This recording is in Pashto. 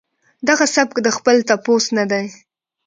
دغه سپک د خپل تپوس نۀ دي